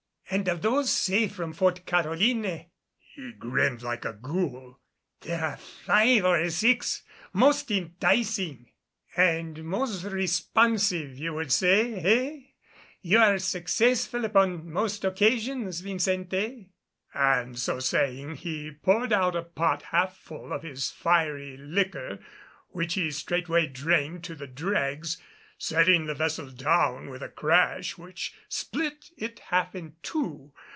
"And of those saved from Fort Caroline" and he grinned like a ghoul "there are five or six most enticing." "And most responsive you would say eh? You are successful upon most occasions, Vincente." And so saying he poured out a pot half full of his fiery liquor, which he straightway drained to the dregs, setting the vessel down with a crash which split it half in two.